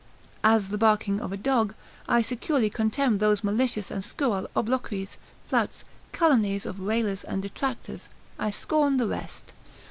——— As the barking of a dog, I securely contemn those malicious and scurrile obloquies, flouts, calumnies of railers and detractors; I scorn the rest.